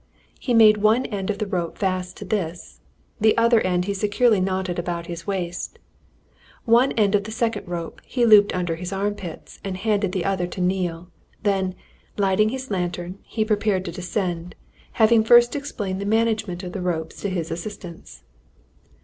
He made one end of the first rope fast to this; the other end he securely knotted about his waist; one end of the second rope he looped under his armpits, and handed the other to Neale; then, lighting his lantern, he prepared to descend, having first explained the management of the ropes to his assistants.